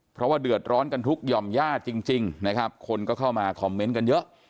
เพราะว่าเดือดร้อนกันทุกหย่อมญาติจริงนะครับคนก็เข้ามาคอมเมนต์กันเยอะ